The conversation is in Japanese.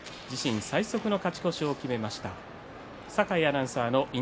自身最速の勝ち越しを決めました。